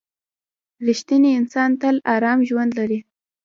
• رښتینی انسان تل ارام ژوند لري.